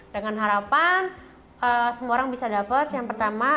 dengan harapan semua orang bisa dapat yang pertama